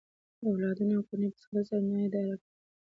اولادونه او کورنۍ یې په سختۍ سره نه اداره کوله.